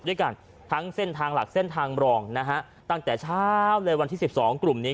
ในการทั้งเส้นทางหลักเส้นทางมรองนะฮะตั้งแต่เช้าในวันที่๑๒ปุ่มนี้